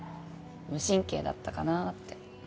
無神経だったかなって。